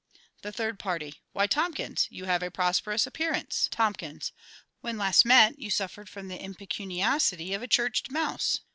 The Third party: Why, TOMKINS, you have a prosperous appearance, TOMKINS. When last met, you suffered from the impecuniosity of a churched mouse.